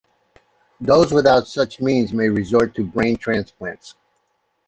Those without such means may resort to brain transplants.